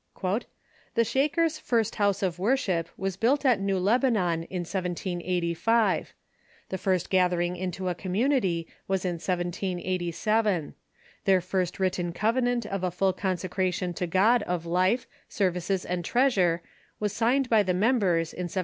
" The Shakers' first house of worship was built at New Lebanon in 1785. The first gathering into a community was in 1787. Their first Avritten covenant of a full consecration to God of life, services, and treasure was signed by the members in 1795."